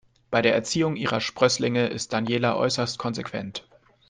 Bei der Erziehung ihrer Sprösslinge ist Daniela äußerst konsequent.